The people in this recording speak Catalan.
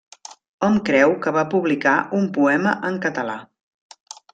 Hom creu que va publicar un poema en català.